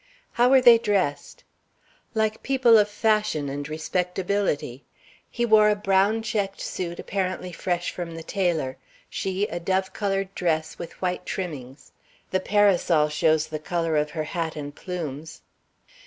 "How were they dressed?" "Like people of fashion and respectability. He wore a brown checked suit apparently fresh from the tailor; she, a dove colored dress with white trimmings. The parasol shows the color of her hat and plumes.